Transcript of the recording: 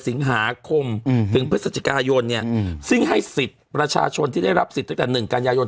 สิงหาคมถึงพฤศจิกายนเนี่ยซึ่งให้สิทธิ์ประชาชนที่ได้รับสิทธิ์ตั้งแต่๑กันยายน